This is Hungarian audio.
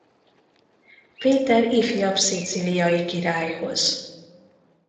Péter ifjabb szicíliai királyhoz.